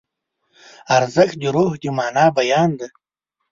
ارزښت د روح د مانا بیان دی.